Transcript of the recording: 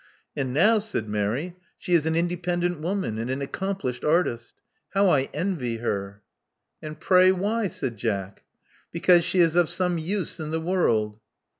And now," said Mary, she is an independent woman, and an accomplished artist. How I envy her !'' And pray why?" said Jack. Because she is of some use in the world."